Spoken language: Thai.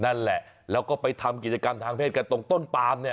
นั่นแหละแล้วก็ไปทำกิจกรรมทางเพศกันตรงต้นปามเนี่ย